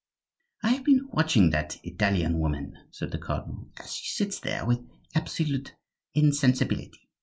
"I have been watching that Italian woman," said the cardinal, "as she sits there with absolute insensibility.